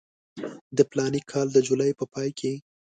د فلاني کال د جولای په پای کې.